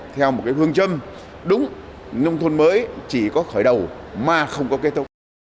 theo một cái phương chân đúng nông thôn mới chỉ có khởi đầu mà không có kết thúc